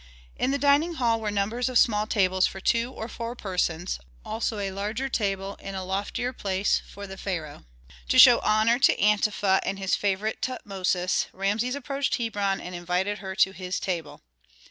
In the dining hall were numbers of small tables for two or four persons, also a larger table, on a loftier place, for the pharaoh. To show honor to Antefa and his favorite, Tutmosis, Rameses approached Hebron and invited her to his table.